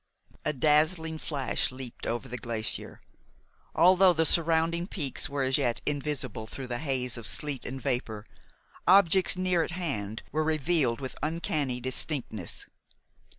A dazzling flash leaped over the glacier. Although the surrounding peaks were as yet invisible through the haze of sleet and vapor, objects near at hand were revealed with uncanny distinctness.